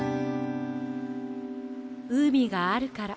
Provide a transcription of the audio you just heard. うみがあるから。